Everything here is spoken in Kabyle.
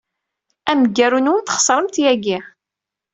Amgaru-nwen txeṣrem-t yagi.